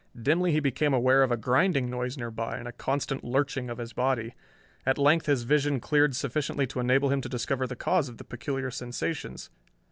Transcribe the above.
Dimly he became aware of a grinding noise nearby and a constant lurching of his body. At length his vision cleared sufficiently to enable him to discover the cause of the peculiar sensations.